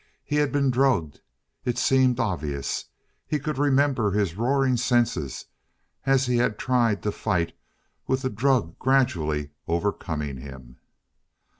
He had been drugged. It seemed obvious. He could remember his roaring senses as he had tried to fight, with the drug gradually overcoming him....